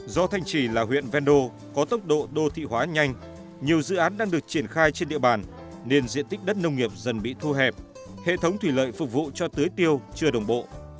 do thanh trì là huyện ven đô có tốc độ đô thị hóa nhanh nhiều dự án đang được triển khai trên địa bàn nên diện tích đất nông nghiệp dần bị thu hẹp hệ thống thủy lợi phục vụ cho tưới tiêu chưa đồng bộ